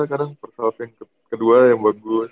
kadang first half yang kedua yang bagus